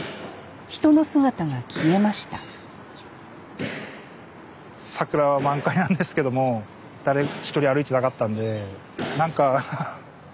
人の姿が消えました桜は満開なんですけども誰一人歩いてなかったんで何か悲しい感じ